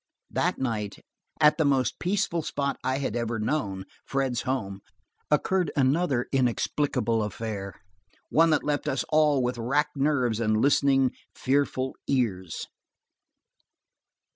That night, at the most peaceful spot I had ever known, Fred's home, occurred another inexplicable affair, one that left us all with racked nerves and listening, fearful ears.